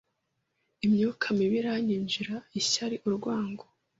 imyuka mibi iranyinjira, ishyari, urwangano,